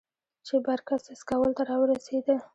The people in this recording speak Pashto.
چې بر کڅ سکول ته راورسېدۀ ـ